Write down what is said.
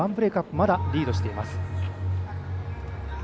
まだ、リードしています。